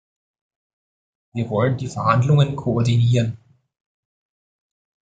Wir wollen die Verhandlungen koordinieren.